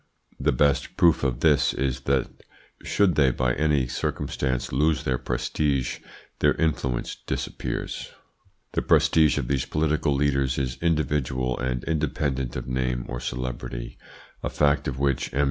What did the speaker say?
The best proof of this is that, should they by any circumstance lose their prestige, their influence disappears. The prestige of these political leaders is individual, and independent of name or celebrity: a fact of which M.